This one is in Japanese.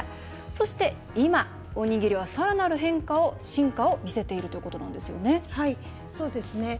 そして今、おにぎりはさらなる進化を見せているということなんですよね。